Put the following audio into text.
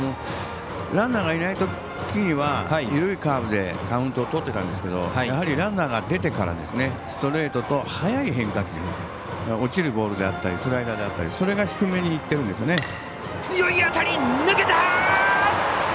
ランナーがいないときには緩いカーブでカウントをとってたんですけどやはりランナーが出てからストレートと速い変化球落ちるボールであったりスライダーであったりそれが低めにいってるんですよね。